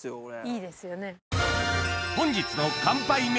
いいですよね。